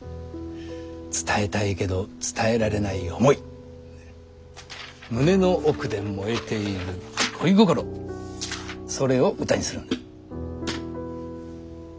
伝えたいけど伝えられない思い胸の奥で燃えている恋心それを歌にするんだ。